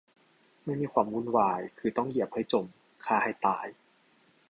ไม่มีความวุ่นวาย คือต้องเหยียบให้จม ฆ่าให้ตาย